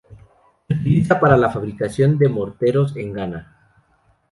Se utiliza para la fabricación de morteros en Ghana.